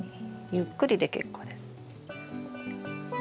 ゆっくりで結構です。